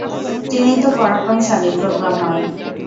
তিনি তো পরাক্রমশালী, প্রজ্ঞাময়।